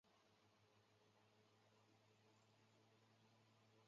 与那原町位于琉球列岛冲绳群岛冲绳岛南部。